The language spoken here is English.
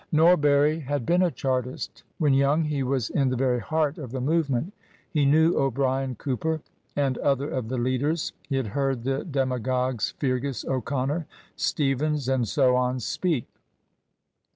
" Norbury had been a Chartist When young he was in the very heart of the movement. He knew O'Brien, Cooper, and other of the leaders. He had heard the demagogues Feargus O'Connor, Stephens, and so on speak.